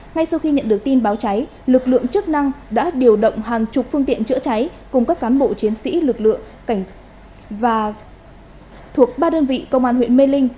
ngay sau khi nhận được tin báo cháy lực lượng chức năng đã điều động hàng chục phương tiện chữa cháy cùng các cán bộ chiến sĩ lực lượng cảnh và thuộc ba đơn vị công an huyện mê linh